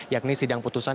yakni sidang putusan